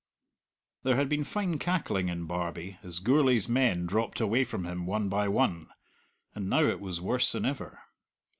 There had been fine cackling in Barbie as Gourlay's men dropped away from him one by one; and now it was worse than ever.